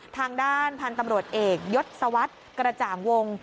ทางด้านพันธุ์ตำรวจเอกยศวรรษกระจ่างวง